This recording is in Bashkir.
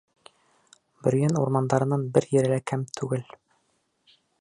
Бөрйән урмандарынан бер ере лә кәм түгел.